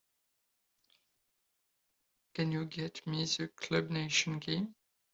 Can you get me the Club Nation game?